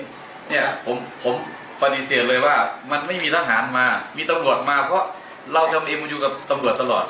เนี่ยผมปฏิเสธเลยว่ามันไม่มีทหารมามีตำรวจมาเพราะเราทำเองมาอยู่กับตำรวจตลอด